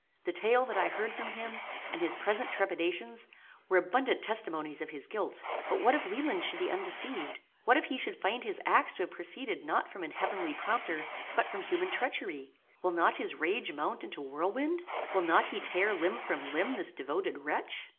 The tale that I heard from him, and his present trepidations, were abundant testimonies of his guilt. But what if Wieland should be undeceived! What if he shall find his acts to have proceeded not from an heavenly prompter, but from human treachery! Will not his rage mount into whirlwind? Will not he tare limb from limb this devoted wretch?